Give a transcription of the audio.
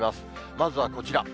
まずはこちら。